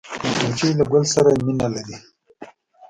مچمچۍ له ګل سره مینه لري